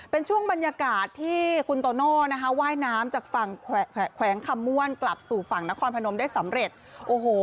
เป็นช่วงบรรยากาศที่คุณโตโน่นะคะว่ายน้ำจากฝั่งแขวงคำม่วนกลับสู่ฝั่งนครพนมได้สำเร็จโอ้โห